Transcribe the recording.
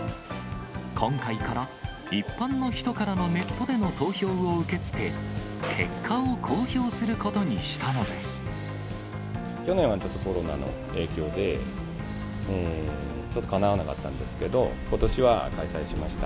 今回から一般の人からのネットでの投票を受け付け、結果を公表す去年はちょっとコロナの影響で、ちょっとかなわなかったんですけど、ことしは開催しました。